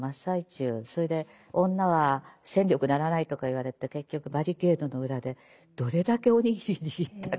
それで女は戦力にならないとか言われて結局バリケードの裏でどれだけお握り握ったか。